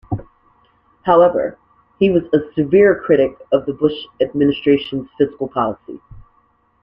However, he was a severe critic of the Bush Administration's fiscal policy.